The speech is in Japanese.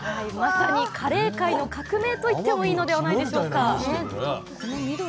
まさにカレー界の革命といってもいいのではないでしょうか！